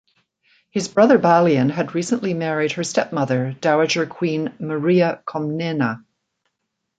His brother Balian had recently married her stepmother, Dowager Queen Maria Comnena.